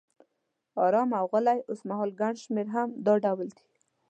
آرام او غلی، اوسمهال ګڼ شمېر هم دا ډول دي.